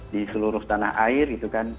di seluruh tanah air gitu kan